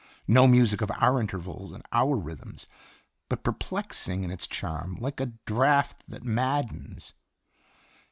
No music of our intervals and our rhythms, but perplexing in its charm like a draught that maddens.